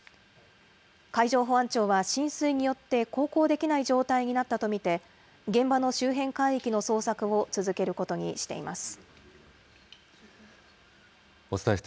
海上保安庁は浸水によって航行できない状態になったと見て、現場の周辺海域の捜索を続けることにしています。